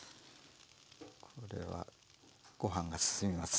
これはご飯がすすみます。